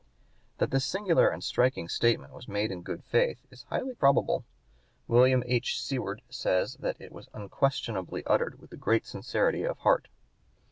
That this singular and striking statement was made in good faith is highly probable. William H. Seward says that it was "unquestionably uttered with great sincerity of heart."